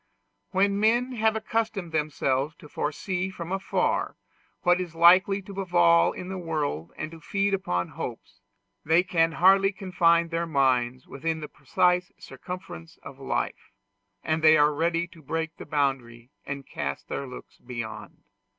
When men have accustomed themselves to foresee from afar what is likely to befall in the world and to feed upon hopes, they can hardly confine their minds within the precise circumference of life, and they are ready to break the boundary and cast their looks beyond.